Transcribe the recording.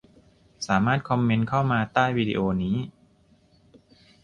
สามารถคอมเมนต์เข้ามาใต้วิดีโอนี้